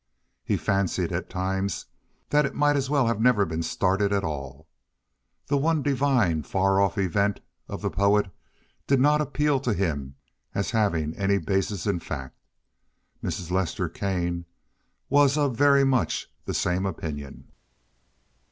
He fancied at times that it might as well never have been started at all. "The one divine, far off event" of the poet did not appeal to him as having any basis in fact. Mrs. Lester Kane was of very much the same opinion.